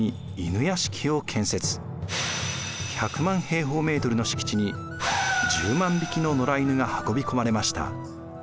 １００万平方メートルの敷地に１０万匹の野良犬が運び込まれました。